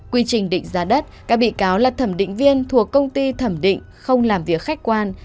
quy trình định giá đất các bị cáo là thẩm định viên thuộc công ty thẩm định không làm việc khách quan